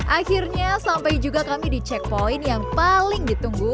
akhirnya sampai juga kami di checkpoint yang paling ditunggu